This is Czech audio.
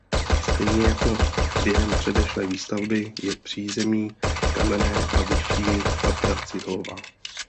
Stejně jako během předešlé výstavby je přízemí kamenné a vyšší patra cihlová.